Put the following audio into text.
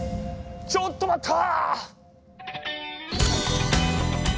ちょっと待った！